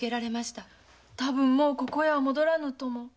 「たぶんもうここへは戻らぬ」とも。